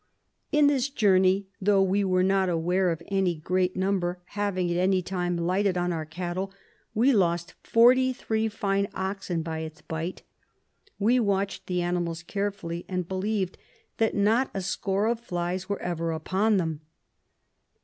In this journey, though we were not aware of any great number having at any time lighted on our cattle, we lost forty three fine oxen by its bite. We watched the animals carefully, and believe that not a score of flies were ever upon them.